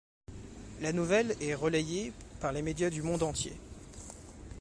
La nouvelle est relayée par les médias du monde entier.